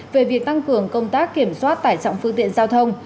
về việc tăng cường công tác kiểm soát tải trọng phương tiện giao thông